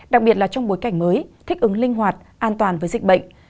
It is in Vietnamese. đặc biệt là trong bối cảnh mới thích ứng linh hoạt an toàn với dịch bệnh